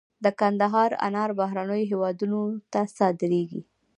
د کندهار انار بهرنیو هیوادونو ته صادریږي